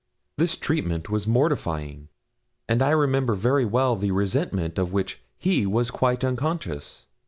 This treatment was mortifying, and I remember very well the resentment of which he was quite unconscious.